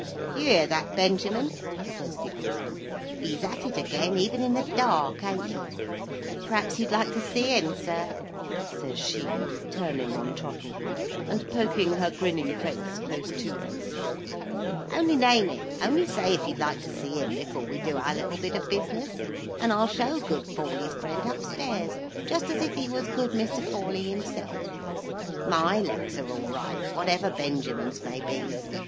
"Do you hear that, Benjamin?" says the old woman. "He's at it again, even in the dark, ain't he? P'raps you'd like to see him, sir!" says she, turning on Trottle, and poking her grinning face close to him. "Only name it; only say if you'd like to see him before we do our little bit of business—and I'll show good Forley's friend up stairs, just as if he was good Mr. Forley himself. My legs are all right, whatever Benjamin's may be.